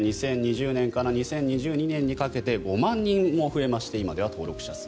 ２０２０年から２０２２年にかけて５万人も増えまして今では登録者数